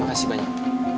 terima kasih banyak